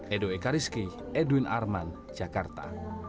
edo eka rizky edwin arman jakarta